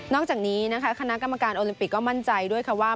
อกจากนี้นะคะคณะกรรมการโอลิมปิกก็มั่นใจด้วยค่ะว่า